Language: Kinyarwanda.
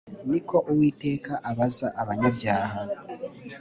” Ni ko Uwiteka abaza abanyabyaha